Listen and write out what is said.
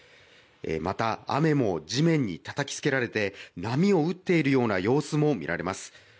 また、雨も地面にたたきつけられて、波を打っているような様子も見られます。